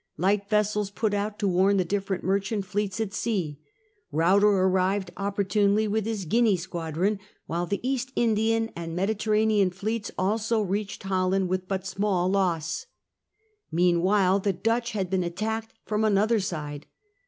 Light vessels put out to warn the different merchant fleets at sea. Ruyter arrived opportunely with his Guinea squadron, while the East Indian and Mediter ranean fleets also reached Holland with but small loss. Meanwhile the Dutch had been attacked from another side.